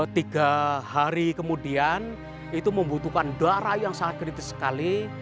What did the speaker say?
tiga hari kemudian itu membutuhkan darah yang sangat kritis sekali